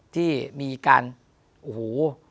ที่มีการโอ้โห